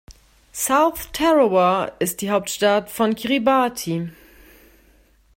South Tarawa ist die Hauptstadt von Kiribati.